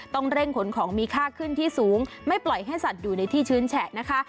ต้องเร่งขนของมีค่าขึ้นที่สูงไม่ปล่อยให้สัตว์อยู่ในที่ชื้นแฉะนะคะ